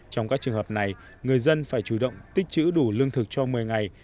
trong các trường hợp này người dân phải chủ động tích chữ đủ lương thực cho một mươi ngày